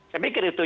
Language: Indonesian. saya pikir itu